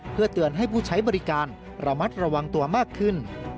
เพื่อเตือนให้ผู้ใช้บริการระมัดระวังตัวมากขึ้น